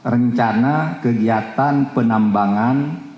rencana kegiatan penambangan